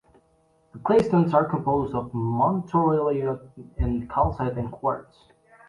The claystones are composed of montmorillonite with calcite and quartz.